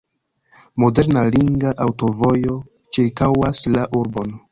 Moderna ringa aŭtovojo ĉirkaŭas la urbon.